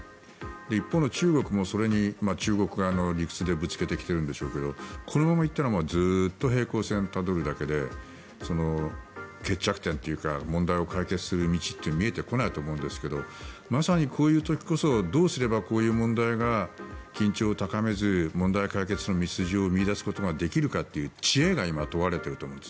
一方の中国もそれに中国側の理屈でぶつけてきているんでしょうけどこのまま行ったらずっと平行線をたどるだけで決着点というか問題を解決する道というのは見えてこないと思うんですけどまさに、こういう時こそどうすればこういう問題が緊張を高めず問題解決の道筋を見いだすことができるかという知恵が今、問われていると思うんです。